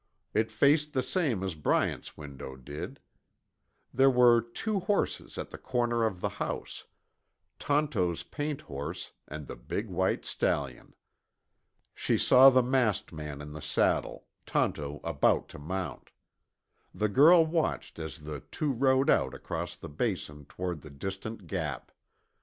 It faced the same as Bryant's window did. There were two horses at the corner of the house: Tonto's paint horse and the big white stallion. She saw the masked man in the saddle, Tonto about to mount. The girl watched as the two rode out across the Basin toward the distant Gap.